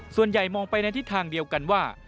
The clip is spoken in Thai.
ส่วนใหญ่มองไปในทิศทางเดียวกันว่า